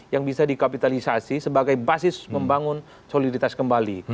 yang bisa dikapitalisasi sebagai basis membangun soliditas kembali